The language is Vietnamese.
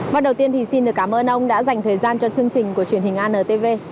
bắt đầu tiên thì xin được cảm ơn ông đã dành thời gian cho chương trình của truyền hình antv